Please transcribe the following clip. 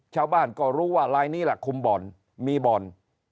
เช้าบ้านก็รู้ว่ารายเนี่ยละคุมบ่อนมีบ่อน